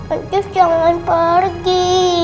ancus jangan pergi